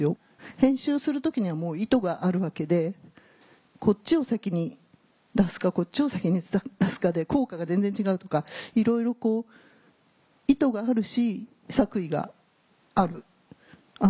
編集をする時にはもう意図があるわけでこっちを先に出すかこっちを先に出すかで効果が全然違うとかいろいろ意図があるし作為がある。